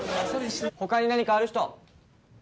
他に何かある人